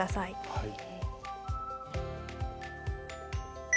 はい。